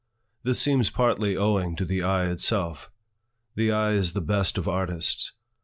This seems partly owing to the eye itself. The eye is the best of artists.